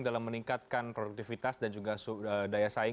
selamat malam mas suki